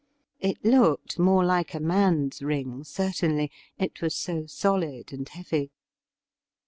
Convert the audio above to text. It looked more like a man's ring, certainly, it was so solid and heavy.